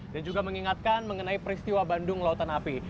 dan juga mengingatkan mengenai peristiwa bandung lautan api